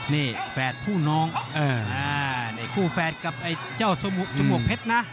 นี่แฟดผู้น้องคู่แฟดกับเจ้าสมุกเพชรนะ